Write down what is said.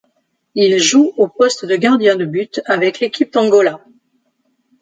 Il joue au poste de gardien de but avec l'équipe d'Angola.